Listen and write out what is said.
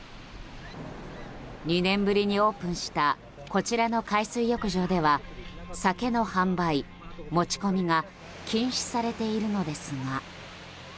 ２年ぶりにオープンしたこちらの海水浴場では酒の販売、持ち込みが禁止されているのですが。